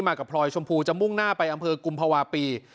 มากับพลอยชมพูจะมุ่งหน้าไปอำเภอกุมภาวะปี